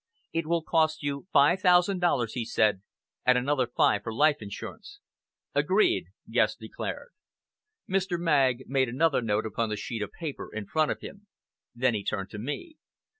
"It will cost you five thousand dollars," he said, "and another five for life insurance." "Agreed!" Guest declared. Mr. Magg made another note upon the sheet of paper in front of him. Then he turned to me.